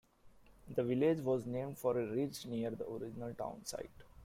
The village was named for a ridge near the original town site.